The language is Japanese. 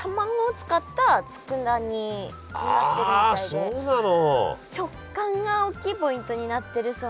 あそうなの。